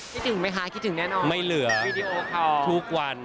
คิดถึงไหมคะคิดถึงแน่นอนวีดีโอของไม่เหลือทุกวัน